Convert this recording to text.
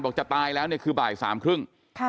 บอกจะตายแล้วคือบ่ายสามครึ่ง